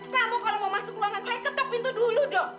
kamu kalau mau masuk ruangan saya ketok pintu dulu dong